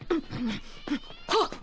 あっ！